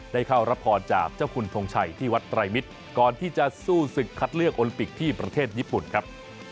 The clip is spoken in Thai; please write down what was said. เข้ารับพรจากเจ้าคุณทงชัยที่วัดไตรมิตรก่อนที่จะสู้ศึกคัดเลือกโอลิมปิกที่ประเทศญี่ปุ่นครับ